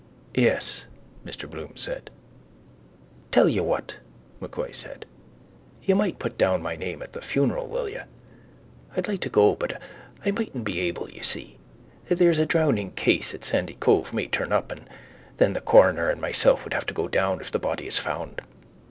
—Yes, Mr Bloom said. —Tell you what, M'Coy said. You might put down my name at the funeral, will you? I'd like to go but I mightn't be able, you see. There's a drowning case at Sandycove may turn up and then the coroner and myself would have to go down if the body is found.